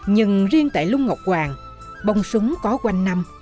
nhưng riêng tại lung ngọc hoàng bông súng có quanh năm